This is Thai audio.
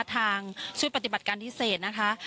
ทางชุดปฏิบัติการพิเศษนะคะ